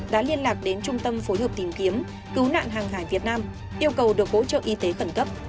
đã liên lạc đến trung tâm phối hợp tìm kiếm cứu nạn hàng hải việt nam yêu cầu được hỗ trợ y tế khẩn cấp